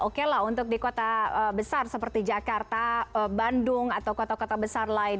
oke lah untuk di kota besar seperti jakarta bandung atau kota kota besar lain